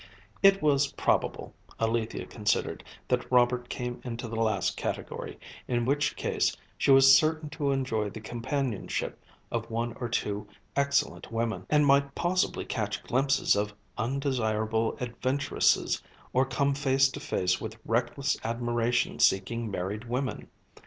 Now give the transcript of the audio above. It was probable, Alethia considered, that Robert came into the last category, in which case she was certain to enjoy the companionship of one or two excellent women, and might possibly catch glimpses of undesirable adventuresses or come face to face with reckless admiration seeking married women.